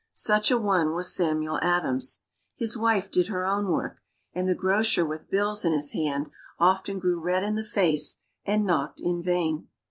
Such a one was Samuel Adams. His wife did her own work, and the grocer with bills in his hand often grew red in the face and knocked in vain.